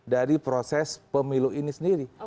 dari proses pemilu ini sendiri